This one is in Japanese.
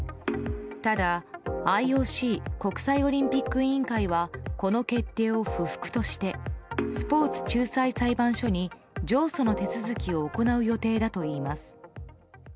ただ、ＩＯＣ・国際オリンピック委員会はこの決定を不服としてスポーツ仲裁裁判所に上訴の手続きを行う予定だといいます。